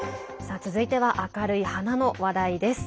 続いては、明るい花の話題です。